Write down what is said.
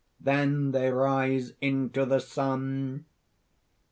Then they rise into the sun."